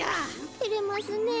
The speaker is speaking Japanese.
てれますねえ。